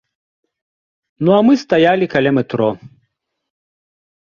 Ну а мы стаялі каля метро.